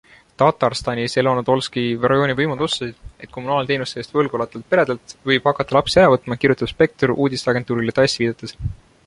Tatarstani Zelenodolski rajooni võimud otsustasid, et kommunaalteenuste eest võlgu olevatelt peredelt võib hakata lapsi ära võtma, kirjutab Spektr uduisteagentuurile TASS viidates.